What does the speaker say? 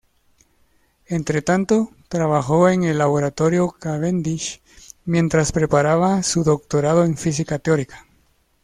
Entretanto, trabajó en el Laboratorio Cavendish mientras preparaba su doctorado en física teórica.